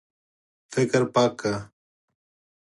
فکر پاک کړه.